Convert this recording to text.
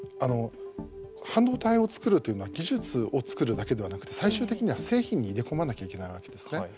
半導体を作るというのは技術を作るだけではなくて最終的には製品に入れ込まなきゃいけないわけですね。